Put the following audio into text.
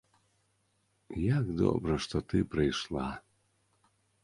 Як добра, што ты прыйшла.